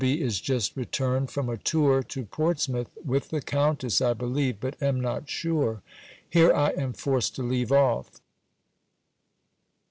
B. is just returned from a tour to Portsmouth, with the Countess, I believe, but am not sure. Here I am forced to leave off.